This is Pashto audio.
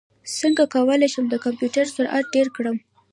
څنګه کولی شم د کمپیوټر سرعت ډېر کړم